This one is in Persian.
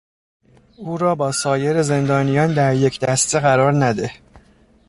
او را با سایر زندانیان در یک دسته قرار نده.